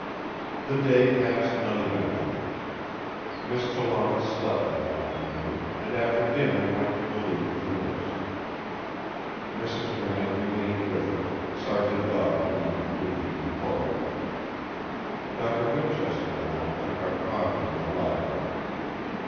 The day passed uneventfully. Miss Trelawny slept in the afternoon; and after dinner went to relieve the Nurse. Mrs. Grant remained with her, Sergeant Daw being on duty in the corridor. Doctor Winchester and I took our coffee in the library.